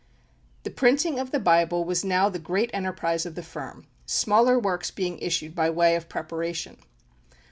The printing of the Bible was now the great enterprise of the firm, smaller works being issued by way of preparation.